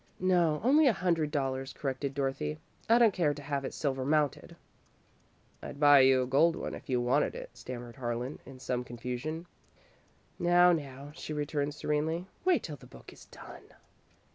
"No, only a hundred dollars," corrected Dorothy. "I don't care to have it silver mounted." "I'd buy you a gold one if you wanted it," stammered Harlan, in some confusion. "Not now," she returned, serenely. "Wait till the book is done."